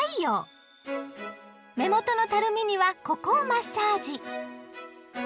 目元のたるみにはここをマッサージ。